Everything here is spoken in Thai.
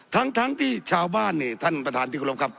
ทั้งที่ชาวบ้านนี่ท่านประธานที่กรบครับ